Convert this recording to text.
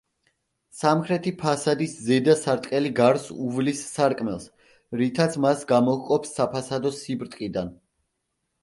სამხრეთი ფასადის ზედა სარტყელი გარს უვლის სარკმელს, რითაც მას გამოჰყოფს საფასადო სიბრტყიდან.